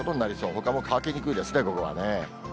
ほかも乾きにくいですね、午後はね。